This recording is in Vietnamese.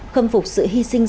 khâm phục sự hy sinh